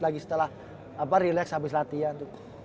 lagi setelah relax abis latihan